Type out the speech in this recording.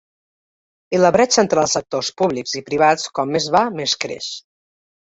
I la bretxa entre els sectors públics i privats com més va més creix.